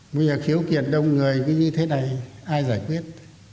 bây giờ khiếu kiện đông người cứ như thế này ai giải quyết